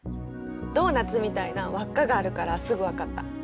ドーナツみたいな輪っかがあるからすぐ分かった。